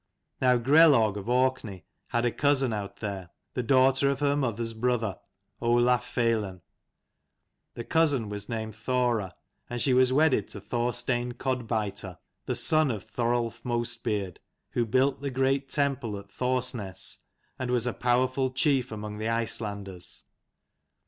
Now Grelaug of Orkney had a cousin out there, the daughter of her mother's brother, Olaf Feilan. The cousin was named Thora, and she was wedded to Thorstein Codbiter, the son of Thorolf Mostbeard, who built the great temple at Thorsness and was a powerful chief among the Icelanders.